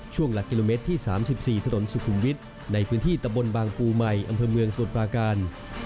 หลักกิโลเมตรที่๓๔ถนนสุขุมวิทย์ในพื้นที่ตะบนบางปูใหม่อำเภอเมืองสมุทรปราการ